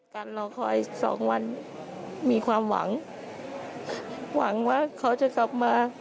รอคอยสองวันมีความหวังหวังว่าเขาจะกลับมา